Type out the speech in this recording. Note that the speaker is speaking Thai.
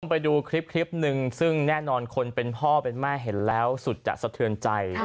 ไปดูคลิปหนึ่งซึ่งแน่นอนคนเป็นพ่อเป็นแม่เห็นแล้วสุดจะสะเทือนใจ